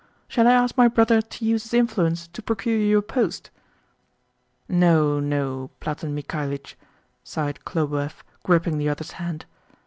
Shall I ask my brother to use his influence to procure you a post?" "No, no, Platon Mikhalitch," sighed Khlobuev, gripping the other's hand.